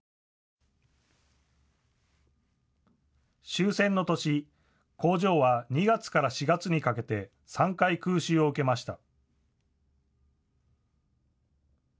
終戦の年、工場は２月から４月にかけて３回、空襲を受けました。